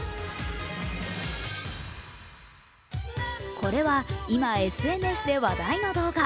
これは今、ＳＮＳで話題の動画。